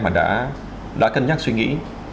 mà đã cân nhắc suy nghĩ